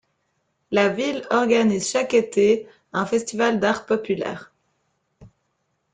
La ville organise chaque été un festival d'arts populaires.